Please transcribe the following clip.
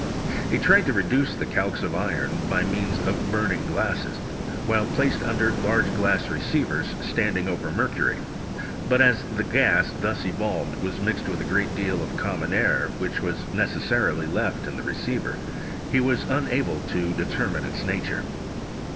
He tried to reduce the calx gf iron by means of burning glasses, while placed under la^ glass receivers standing over mercury ; but aa the gas thus evolved was mixed with a great deal of common air which was necessarily left in the re ceiver, he was unable to determine its nature.